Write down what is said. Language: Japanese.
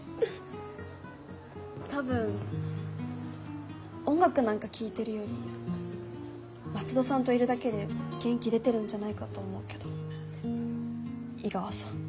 多分音楽なんか聴いてるより松戸さんといるだけで元気出てるんじゃないかと思うけど井川さん。